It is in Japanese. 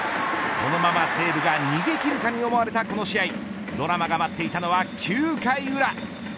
このまま西武が逃げ切るかに思われたこの試合ドラマが待っていたのは９回裏。